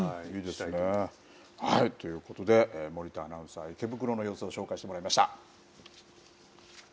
いいですね。ということで森田アナウンサー池袋の様子を紹介してもらいました。